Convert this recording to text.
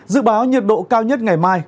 dự báo nhiệt độ cao nhất ngày mai